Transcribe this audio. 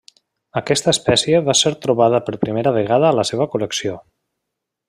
Aquesta espècie va ser trobada per primera vegada a la seva col·lecció.